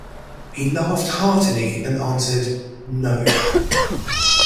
He laughed heartily and answered, "No."